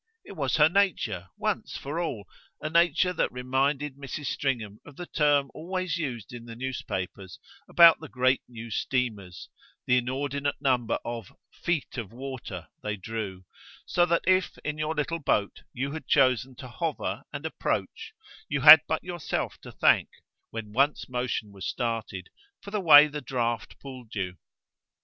It was her nature, once for all a nature that reminded Mrs. Stringham of the term always used in the newspapers about the great new steamers, the inordinate number of "feet of water" they drew; so that if, in your little boat, you had chosen to hover and approach, you had but yourself to thank, when once motion was started, for the way the draught pulled you.